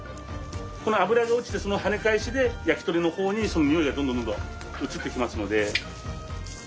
この脂が落ちてその跳ね返しで焼き鳥の方にそのにおいがどんどんどんどん移ってきますので。